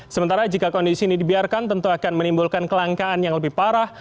sementara jika kondisi ini dibiarkan tentu akan menimbulkan kelangkaan yang lebih parah